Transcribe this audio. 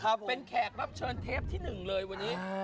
เป็นแขกรับเชิญเทปที่หนึ่งเลยวันนี้